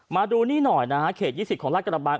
มาดูนี่หน่อยนะฮะเขต๒๐ของราชกระบัง